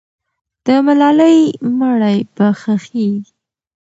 د ملالۍ مړی به ښخېږي.